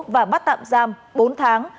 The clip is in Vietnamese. và bắt tạm giam bốn tháng